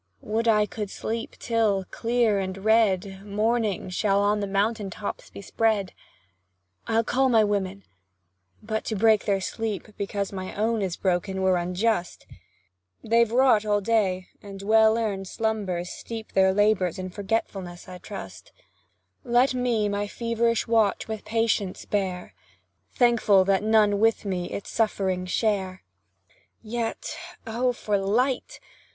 Would I could sleep again till, clear and red, Morning shall on the mountain tops be spread! I'd call my women, but to break their sleep, Because my own is broken, were unjust; They've wrought all day, and well earn'd slumbers steep Their labours in forgetfulness, I trust; Let me my feverish watch with patience bear, Thankful that none with me its sufferings share. Yet, oh, for light!